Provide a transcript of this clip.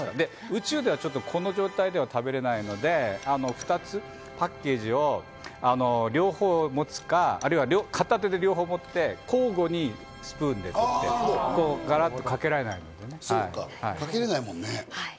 宇宙では、この状態では食べられないので、２つパッケージを両方持つか、或いは片手で両方持って交互に、スプーンで取って、ガラっとかけられないので。